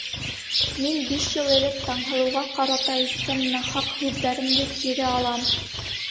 Мин биш йыл элек Таңһылыуға ҡарата әйткән нахаҡ һүҙҙәремде кире алам!